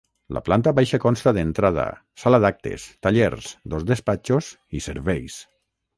La planta baixa consta d'entrada, sala d'actes, tallers, dos despatxos i serveis.